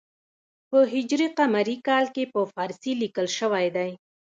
په ه ق کال کې په پارسي لیکل شوی دی.